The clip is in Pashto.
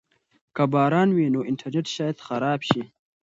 که باران وي نو انټرنیټ شاید خراب شي.